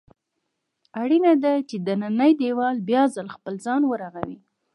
اړینه ده چې دننی دېوال بیا ځل خپل ځان ورغوي.